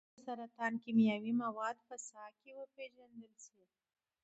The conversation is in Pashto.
د سرطان کیمیاوي مواد به په ساه کې وپیژندل شي.